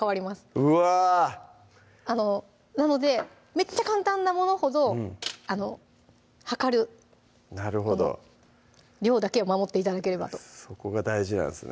うわぁなのでめっちゃ簡単なものほど量る量だけは守って頂ければとそこが大事なんですね